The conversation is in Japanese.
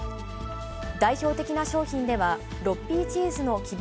代表的な商品では、６Ｐチーズの希望